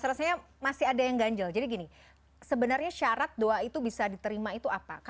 tapi tidak dengan keyakinan itu juga